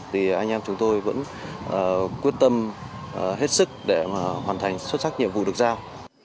thì anh em chúng tôi vẫn quyết tâm hết sức để hoàn thành xuất sắc nhiệm vụ được giao